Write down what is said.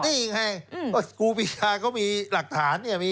โรตเตอรี่ไงกูโพีชาก็มีหลักฐาน